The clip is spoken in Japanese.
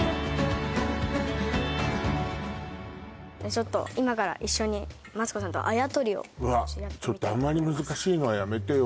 ちょっと今から一緒にマツコさんとあやとりをうわちょっとあんまり難しいのはやめてよ